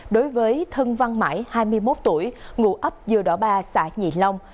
đối với thân văn mãi hai mươi một tuổi ngụ ấp dừa đỏ ba xã nhị long